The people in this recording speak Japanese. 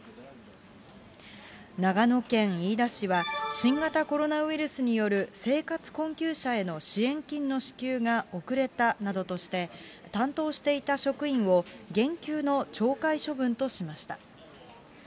長野県飯田市は、新型コロナウイルスによる生活困窮者への支援金の支給が遅れたなどとして、担当していた職員を減給の懲戒処分としました。